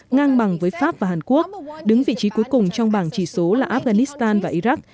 ngang bằng với pháp và hàn quốc đứng vị trí cuối cùng trong bảng chỉ số là afghanistan và iraq